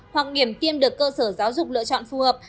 hoặc điểm tiêm được cơ sở giáo dục lựa chọn phù hợp